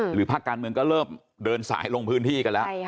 ภาคการเมืองก็เริ่มเดินสายลงพื้นที่กันแล้ว